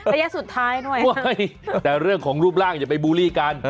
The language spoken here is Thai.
ระยะสุดท้ายด้วยแต่เรื่องของรูปร่างอย่าไปบูลลี่กัน